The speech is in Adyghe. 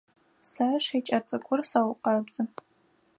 Сэ шыкӏэ цӏыкӏур сэукъэбзы.